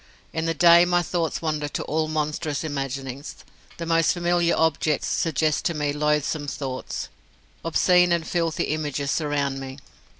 In the day my thoughts wander to all monstrous imaginings. The most familiar objects suggest to me loathsome thoughts. Obscene and filthy images surround me.